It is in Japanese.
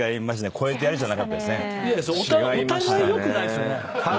「こえてやる」じゃなかったですね。お互いよくないっすよね。